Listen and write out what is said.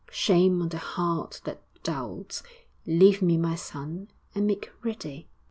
Shame on the heart that doubts! Leave me, my son, and make ready.'